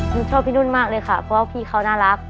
ชอบพี่นุ่นมากเลยค่ะเพราะว่าพี่เขาน่ารัก